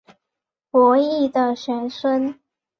伯益的玄孙。